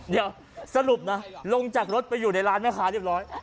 เดี๋ยวสรุปนะลงจากรถไปอยู่ในร้านแม่ค้าเรียบร้อย